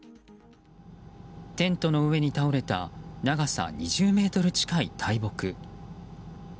テントの上に倒れた長さ２０ｍ近い大木。